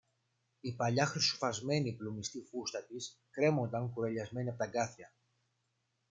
Η παλιά χρυσοϋφασμένη πλουμιστή φούστα της κρέμονταν κουρελιασμένη από τ' αγκάθια